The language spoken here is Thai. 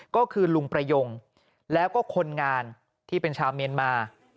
ก็คือลุงประยงแล้วก็คนงานที่เป็นชาวเมียนมา